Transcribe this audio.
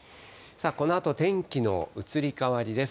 このあと、天気の移り変わりです。